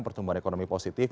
pertumbuhan ekonomi positif